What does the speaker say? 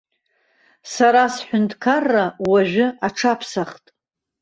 Сара сҳәынҭқарра уажәы аҽаԥсахт.